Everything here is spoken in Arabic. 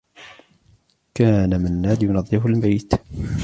كان مناد ينظف البيت.